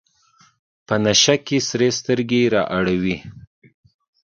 په نشه کې سرې سترګې رااړوي.